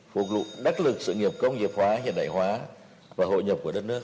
phục vụ đắc lực sự nghiệp công nghiệp hóa hiện đại hóa và hội nhập của đất nước